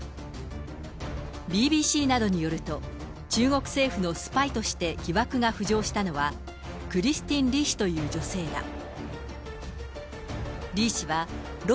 ＢＢＣなどによると、中国政府のスパイとして疑惑が浮上したのは、クリスティン・リー氏という女性だ。